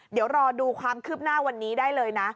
เดี๋ยวรอดูความคืบหน้าวันนี้ได้เลยนะ